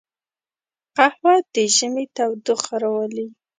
قهوه د ژمي تودوخه راولي